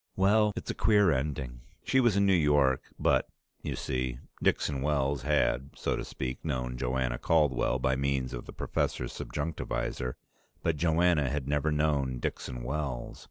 Well, it's a queer ending. She was in New York, but you see, Dixon Wells had, so to speak, known Joanna Caldwell by means of the professor's subjunctivisor, but Joanna had never known Dixon Wells.